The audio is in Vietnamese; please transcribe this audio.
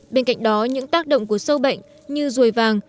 bên cạnh đó những tác động của sâu bệnh như rùi vàng